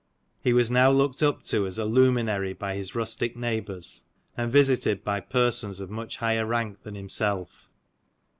He was now looked up to as a luminary by his rustic neighbours and visited by persons of much higher rank than himself.